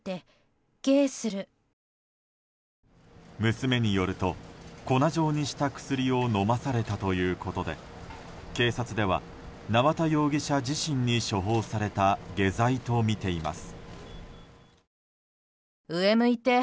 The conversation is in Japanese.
娘によると、粉状にした薬を飲まされたということで警察では縄田容疑者自身に処方された下剤とみています。